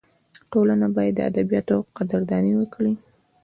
ټولنه باید د ادیبانو قدرداني وکړي.